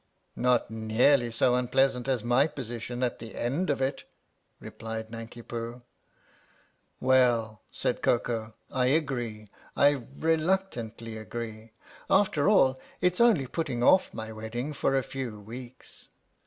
" Not nearly so unpleasant as my position at the end of it," replied Nanki Poo. "Well," said Koko, " I agree. I reluctantly agree. After all it 's only putting off my wedding for a few weeks."